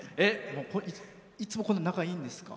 いつも仲いいんですか？